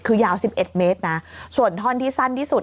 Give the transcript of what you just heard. คือยาว๑๑เมตรนะส่วนท่อนที่สั้นที่สุด